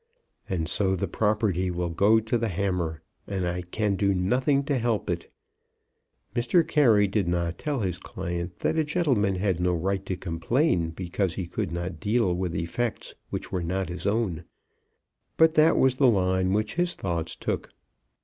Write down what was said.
"And so the property will go to the hammer, and I can do nothing to help it!" Mr. Carey did not tell his client that a gentleman had no right to complain because he could not deal with effects which were not his own; but that was the line which his thoughts took.